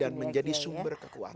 dan menjadi sumber kekuatan